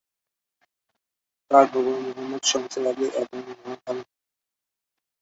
তার বাবা মুহম্মদ শমসের আলী এবং মা আমিনা খাতুন।